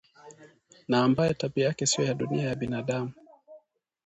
na ambaye tabia yake sio ya dunia ya binadamu